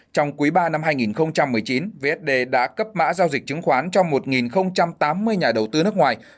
trong quý ba năm hai nghìn một mươi chín vsd đã cấp mã giao dịch chứng khoán cho một tám mươi nhà đầu tư nước ngoài